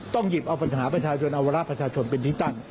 หยิบเอาปัญหาประชาชนเอาวาระประชาชนเป็นที่ตั้ง